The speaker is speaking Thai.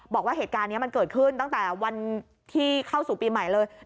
บอกว่าเหตุการณ์นี้มันเกิดขึ้นตั้งแต่วันที่เข้าสู่ปีใหม่เลย